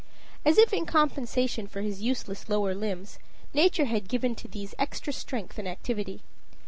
As if in compensation for his useless lower limbs, Nature had given to these extra strength and activity.